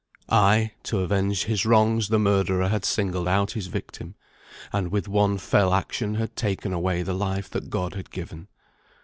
Ay! to avenge his wrongs the murderer had singled out his victim, and with one fell action had taken away the life that God had given.